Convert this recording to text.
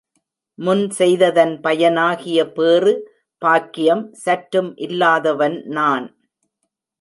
முன் செய்ததன் பயனாகிய பேறு, பாக்கியம், சற்றும் இல்லாதவன் நான்.